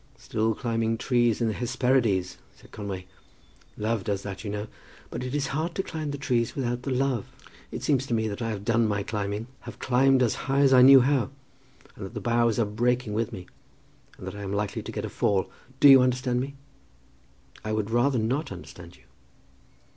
"Still climbing trees in the Hesperides," said Conway. "Love does that, you know; but it is hard to climb the trees without the love. It seems to me that I have done my climbing, have clomb as high as I knew how, and that the boughs are breaking with me, and that I am likely to get a fall. Do you understand me?" "I would rather not understand you."